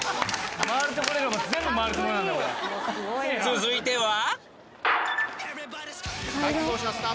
［続いては］